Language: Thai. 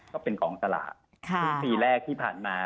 ก็เป็นกองสละ